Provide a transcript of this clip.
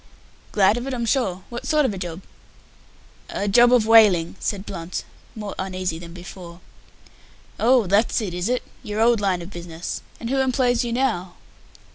"Glad of it, I'm sure. What sort of a job?" "A job of whaling," said Blunt, more uneasy than before. "Oh, that's it, is it? Your old line of business. And who employs you now?"